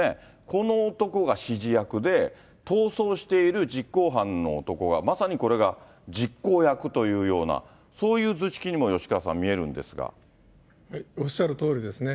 この男が指示役で、逃走している実行犯の男が、まさにこれが実行役というような、そういう図式にも、おっしゃるとおりですね。